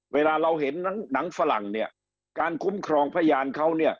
เวลาเราเห็นน้ำฝรั่งการคุ้มครองพยานเขา